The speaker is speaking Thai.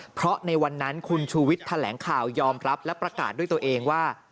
เพราะในวันนั้นคุณชูวิทย์แถลงข่าวยอมรับและประกาศด้วยตัวเองว่า